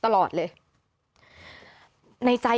กำลังใจที่เรามีสถานการณ์อะไรที่มันอ่อนไหว